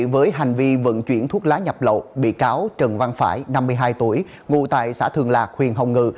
với hành vi vận chuyển thuốc lá nhập lậu bị cáo trần văn phải năm mươi hai tuổi ngụ tại xã thường lạc huyện hồng ngự